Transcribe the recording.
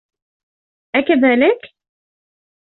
أكذلك؟